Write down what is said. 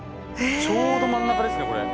ちょうど真ん中ですね。